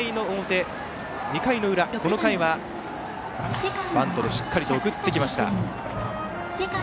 ２回の裏、この回はバントでしっかり送ってきました。